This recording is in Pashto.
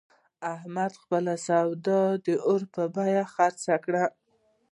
احمد خپله سودا د اور په بیه خرڅه کړه.